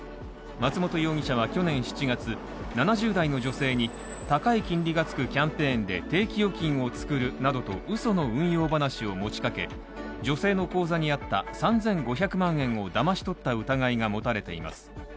松本容疑者は去年７月、７０代の女性に高い金利がつくキャンペーンで定期預金を作るなどとうその運用話を持ちかけ、女性の口座にあった３５００万円をだまし取った疑いが持たれています。